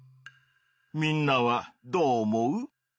みんなはどう思う？